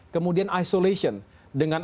kemudian isolation dengan